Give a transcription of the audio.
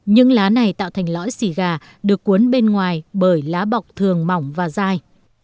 những lá này tạo thành lõi xì gà được cuốn bên ngoài bởi lá bọc thường mỏng và dai